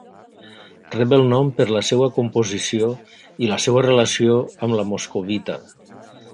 Rep el nom per la seva composició i la seva relació amb la moscovita.